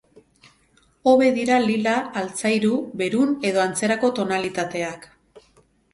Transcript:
Hobe dira lila, altzairu, berun edo antzerako tonalitateak.